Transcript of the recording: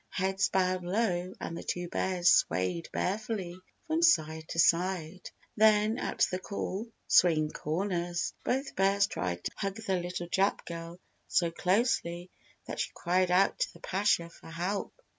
heads bowed low and the two bears swayed bearfully from side to side. Then at the call "Swing corners!" both bears tried to hug the little Jap girl so closely that she cried out to the Pasha for help.